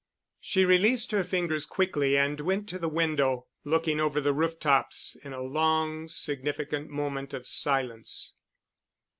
She released her fingers quickly and went to the window, looking over the rooftops in a long significant moment of silence.